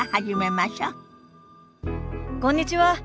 こんにちは。